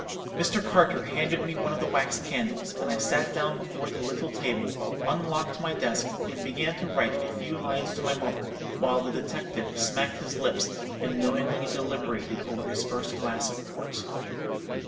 Mr. Carter handed me one of the wax candles, and I sat down before the little table, unlocked my desk, and began to write a few lines to my mother; while the detective smacked his lips and knowingly deliberated over his first glass of port.